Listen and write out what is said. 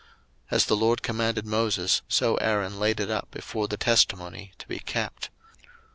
02:016:034 As the LORD commanded Moses, so Aaron laid it up before the Testimony, to be kept.